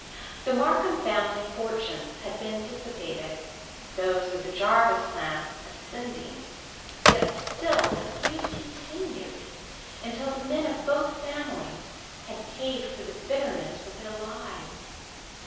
The Marcum family fortunes had been dissipated, those of the Jarvis clan ascending yet still the feud continued, until the men of both families had paid for the bitterness with their lives.